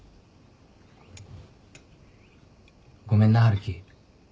ごめんな春樹。